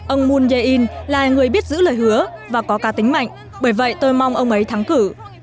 ông moon jae in là người biết giữ lời hứa và có ca tính mạnh bởi vậy tôi mong ông ấy thắng cử